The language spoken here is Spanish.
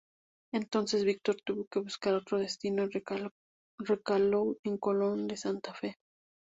Entonces, Víctor tuvo que buscar otro destino y recaló en Colón de Santa Fe.